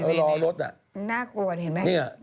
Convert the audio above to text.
น่ากลัวเห็นไหม